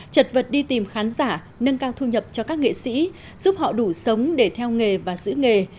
chật vật đi tìm khán giả nâng cao thu nhập cho các nghệ sĩ giúp họ đủ sống để theo nghề và giữ nghề